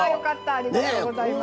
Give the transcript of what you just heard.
ありがとうございます。